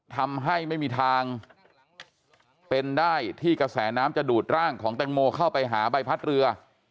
ทำให้ไม่มีทางเป็นได้ที่กระแสน้ำจะดูดร่างของแตงโมเข้าไปหาใบพัดเรือ